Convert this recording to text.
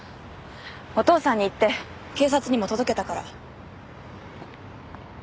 お父さんに言って警察にも届けたから。